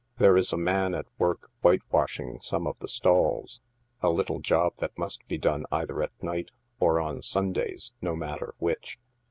There is a man at work whitewashing some of the stalls — a little job that must be done either at night or on Sun days, no matter which.